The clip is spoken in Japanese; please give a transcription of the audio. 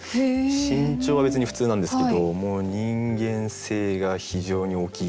身長は別に普通なんですけどもう人間性が非常に大きい。